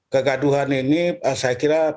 kegaduhan ini saya kira